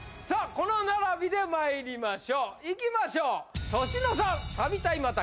この並びでまいりましょういきましょう年